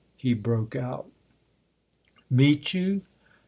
he broke out. 11 Meet you